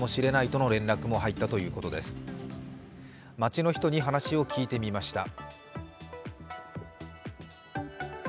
街の人に話を聞いてみました。